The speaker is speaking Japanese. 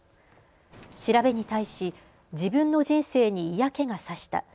調べに対し自分の人生に嫌気がさした。